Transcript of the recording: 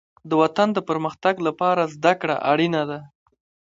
د وطن د پرمختګ لپاره زدهکړه اړینه ده.